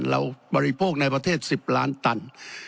บริโภคในประเทศ๑๐ล้านตัน